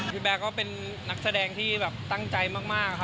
พี่แบ๊ก็เป็นนักแสดงที่ตั้งใจมาก